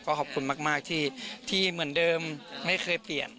ขอบคุณมากที่เหมือนเดิมไม่เคยเปลี่ยน